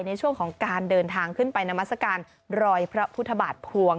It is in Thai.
ในช่วงของการเดินทางขึ้นไปนามัศกาลรอยพระพุทธบาทภวง